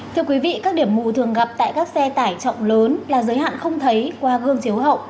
thưa quý vị các điểm mù thường gặp tại các xe tải trọng lớn là giới hạn không thấy qua gương chiếu hậu